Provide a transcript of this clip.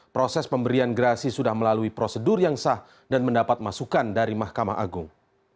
proses pemberian gerasi sudah melalui prosedur yang sah dan mendapat masukan dari mahkamah agung